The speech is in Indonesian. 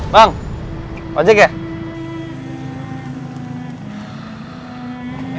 bang ojek ya